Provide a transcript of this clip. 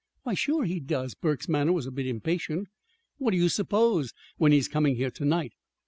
"Why, sure he does!" Burke's manner was a bit impatient. "What do you suppose, when he's coming here to night?